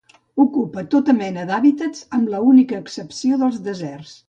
Ocupa tota mena d'hàbitats amb l'única excepció dels deserts.